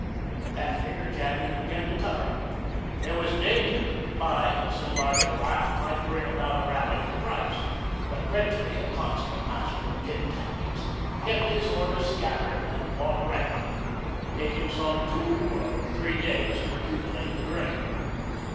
At that figure Jadwin began to cover. There was danger that the buying of so large a lot might bring about a rally in the price. But Gretry, a consummate master of Pit tactics, kept his orders scattered and bought gradually, taking some two or three days to accumulate the grain.